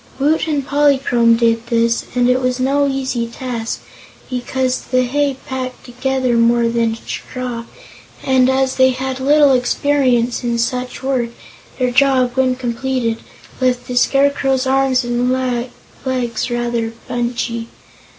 Woot and Polychrome did this and it was no easy task because the hay packed together more than straw and as they had little experience in such work their job, when completed, left the Scarecrow's arms and legs rather bunchy.